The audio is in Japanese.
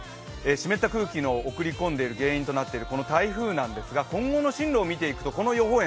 湿った空気を送り込んでいる原因となっている台風なんですが、今後の進路を見ていくとこの予報円